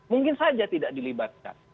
mungkin saja tidak dilibatkan